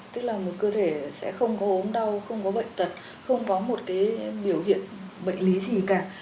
tức là một cơ thể sẽ không có ốm đau không có bệnh tật không có một cái biểu hiện bệnh lý gì cả